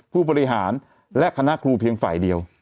ผู้บริหารและคณะครูเพียงฝ่ายเดียว